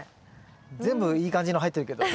全部いい感じの入ってるけど。